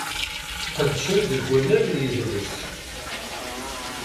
Qedcen deg unnar n yidles.